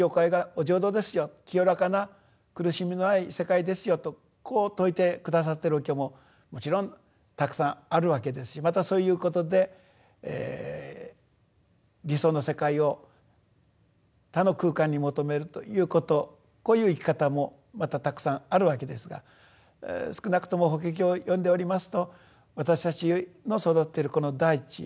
清らかな苦しみのない世界ですよとこう説いて下さっているお経ももちろんたくさんあるわけですしまたそういうことで理想の世界を他の空間に求めるということこういう生き方もまたたくさんあるわけですが少なくとも法華経を読んでおりますと私たちの育っているこの大地